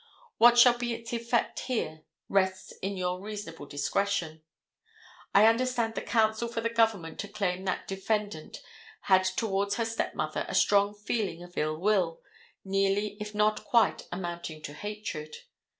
What shall be its effect here rests in your reasonable discretion. I understand the counsel for the government to claim that defendant had towards her stepmother a strong feeling of illwill, nearly if not quite amounting to hatred.